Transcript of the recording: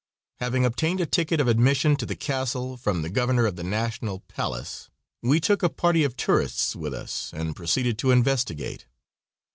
Having obtained a ticket of admission to the castle from the governor of the National Palace, we took a party of tourists with us and proceeded to investigate.